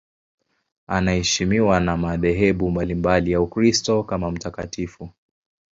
Anaheshimiwa na madhehebu mbalimbali ya Ukristo kama mtakatifu.